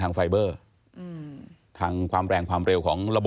ก็ตัดก่อนเลยครับ